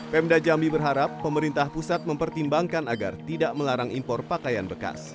pemda jambi berharap pemerintah pusat mempertimbangkan agar tidak melarang impor pakaian bekas